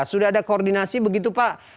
sudah ada koordinasi begitu pak